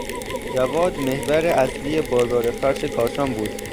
جواد محور اصلی بازار فرش کاشان بود.